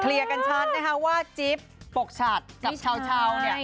เคลียร์กันชัดนะคะว่าจิ๊บปกฉัดกับเช้าเนี่ย